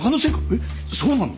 えっそうなの？